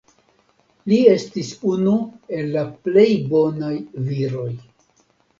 Li estis unu el la plej bonaj viroj.